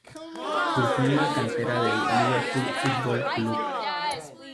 Surgió de la cantera del Liverpool Football Club.